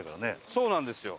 そうなんですよ。